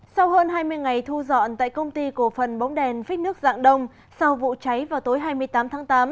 sau hơn hai mươi ngày thu dọn tại công ty cổ phần bóng đèn phích nước dạng đông sau vụ cháy vào tối hai mươi tám tháng tám